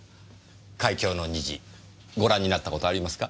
『海峡の虹』ご覧になった事ありますか？